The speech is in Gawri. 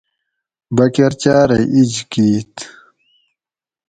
بکۤر چاۤرہ اِیج کِیت